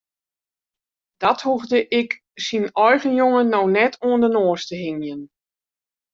Dat hoegde ik syn eigen jonge no net oan de noas te hingjen.